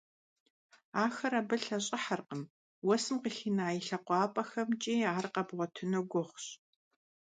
Ахэр абы лъэщIыхьэркъым, уэсым къыхина и лъакъуапIэмкIи ар къэбгъуэтыну гугъущ.